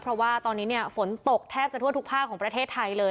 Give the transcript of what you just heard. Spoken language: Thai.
เพราะว่าตอนนี้เนี่ยฝนตกแทบจะทั่วทุกภาคของประเทศไทยเลย